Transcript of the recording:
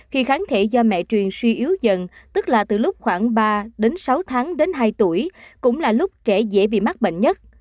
khi kháng thể do mẹ truyền suy yếu dần tức là từ lúc khoảng ba đến sáu tháng đến hai tuổi cũng là lúc trẻ dễ bị mắc bệnh nhất